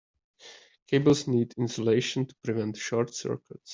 Cables need insulation to prevent short circuits.